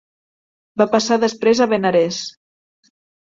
Va passar després a Benarés.